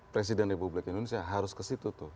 presiden republik indonesia harus ke situ tuh